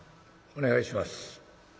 お願いします」。